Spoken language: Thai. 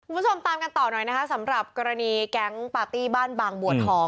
คุณผู้ชมตามกันต่อหน่อยนะคะสำหรับกรณีแก๊งปาร์ตี้บ้านบางบัวทอง